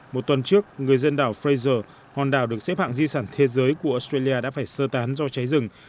một tuần trước người dân đảo fraser hòn đảo được xếp hạng di sản thế giới của australia đã phải sơ tán do cháy rừng